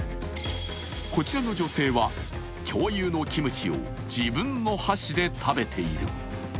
こちらの女性は、共有のキムチを自分の箸で食べている。